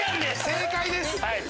正解です。